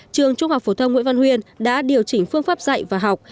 trường trung học phổ thông nguyễn văn huyền đã điều chỉnh phương pháp dạy và học